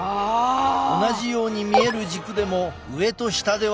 同じように見える軸でも上と下では大違い！